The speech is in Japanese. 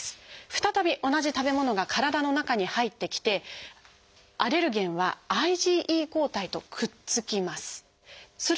再び同じ食べ物が体の中に入ってきてアレルゲンはＩｇＥ抗体とくっつきます。